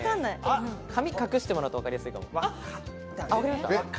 髪隠してもらうとわかりやすいかも。